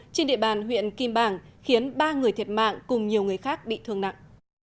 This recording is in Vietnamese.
trên địa bàn huyện kim bảng khiến ba người thiệt mạng cùng nhiều người khác bị thương nặng